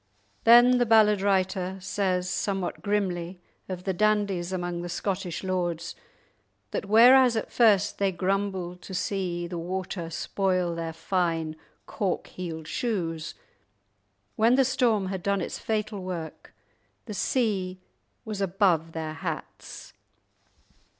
Then the ballad writer says somewhat grimly of the dandies among the Scottish lords that whereas at first they grumbled to see the water spoil their fine cork heeled shoes, when the storm had done its fatal work the sea was "above their hats"!